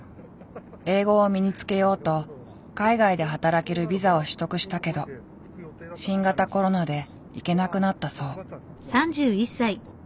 英語を身につけようと海外で働けるビザを取得したけど新型コロナで行けなくなったそう。